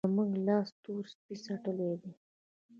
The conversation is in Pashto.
زموږ لاس تور سپی څټلی دی.